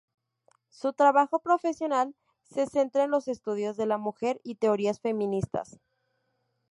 Su trabajo profesional se centra en los estudios de la mujer y teorías feministas.